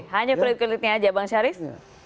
hanya kulit kulitnya aja bang syarif